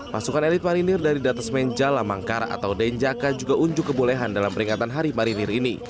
pasukan elit marinir dari datas menjala mangkara atau denjaka juga unjuk kebolehan dalam peringatan hari marinir ini